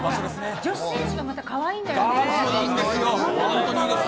女子選手がまた可愛いんだよね！